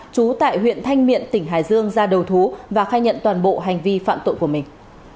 trú tại huyện thanh miện tỉnh hải dương ra đầu thú và khai nhận toàn bộ hành vi phạm tội của mình